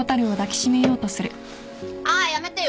あっ！やめてよ